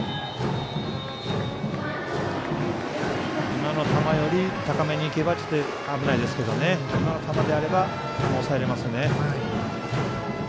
今の球より高めにいけば危ないですけど、今の球であれば抑えれますよね。